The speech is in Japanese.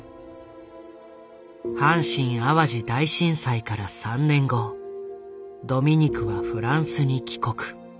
阪神淡路大震災から３年後ドミニクはフランスに帰国。